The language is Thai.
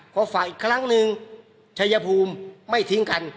พอฝากอีกครั้งหนึ่งชัยภูมิไม่ทิ้งกัน